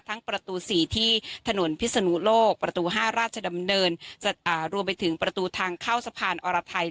ประตู๔ที่ถนนพิศนุโลกประตู๕ราชดำเนินรวมไปถึงประตูทางเข้าสะพานอรไทย